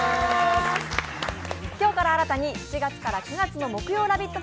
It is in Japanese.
今日から新たに７月から９月の木曜ラヴィット！